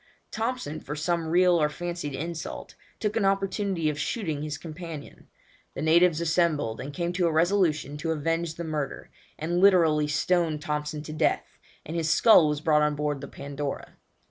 Thompson, for some real or fancied insult, took an opportunity of shooting his companion. The natives assembled, and came to a resolution to avenge the murder, and literally stoned Thompson to death, and his skull was brought on board the Pandora.